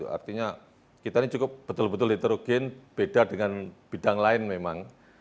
artinya kita ini cukup betul betul nitrogen beda dengan bidang lain memang